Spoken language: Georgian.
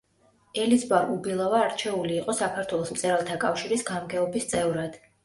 ელიზბარ უბილავა არჩეული იყო საქართველოს მწერალთა კავშირის გამგეობის წევრად.